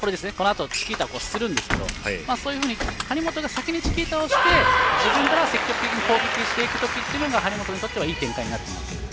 チキータをするんですけどそういうふうに張本が先にチキータをして、自分から積極的に攻撃していく時というのが張本にとってはいい展開になっています。